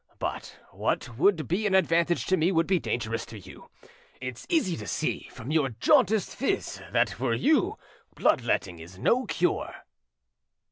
But what would be an advantage to me would be dangerous to you. It's easy to see from your jaundiced phiz that for you blood letting is no cure."